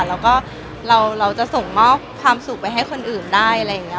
แล้วก็เราจะส่งมอบความสุขไปให้คนอื่นได้อะไรอย่างนี้